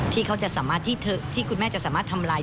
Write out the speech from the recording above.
ที่เขาจะสามารถที่คุณแม่จะสามารถทำลาย